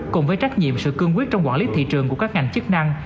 cùng với trách nhiệm sự cương quyết trong quản lý thị trường của các ngành chức năng